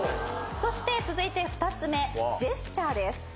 そして続いて２つ目ジェスチャーです。